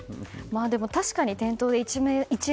確かに店頭で１円